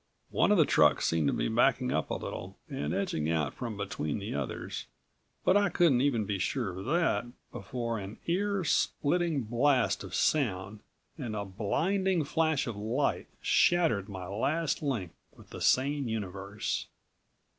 One of the trucks seemed to be backing up a little and edging out from between the others, but I couldn't even be sure of that before an ear splitting blast of sound and a blinding flash of light shattered my last link with the sane universe.